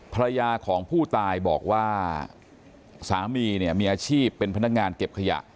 ภรรยาของผู้ตายบอกว่าสามีเนี่ยมีอาชีพเป็นพนักงานเก็บขยะ